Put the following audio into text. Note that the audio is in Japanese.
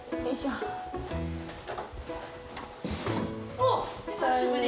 おっ久しぶり！